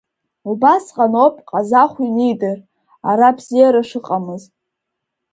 Убасҟаноуп Ҟазахә ианидыр, ара бзиара шыҟамыз.